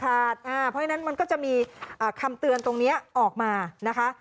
เพราะฉะนั้นมันก็จะมีคำเตือนตรงนี้ออกมานะคะ